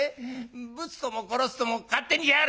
ぶつとも殺すとも勝手にやれ！」。